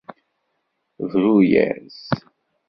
Bru-yas.